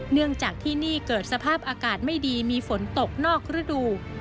เนื่องจากที่นี่เกิดสภาพอากาศไม่ดีมีฝนตกนอกฤดู